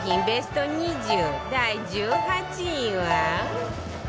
ベスト２０第１８位は